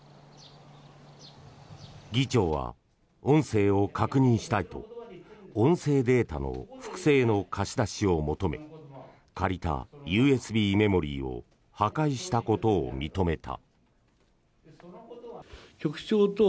議長は音声を確認したいと音声データの複製の貸し出しを求め借りたＵＳＢメモリーを破壊したことを認めた。